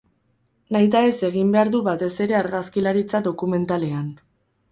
Nahitaez egin behar du, batez ere argazkilaritza dokumentalean.